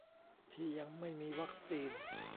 ที่ยังไม่มีวัคซีน